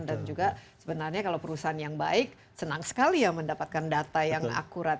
dan juga sebenarnya kalau perusahaan yang baik senang sekali ya mendapatkan data yang akurat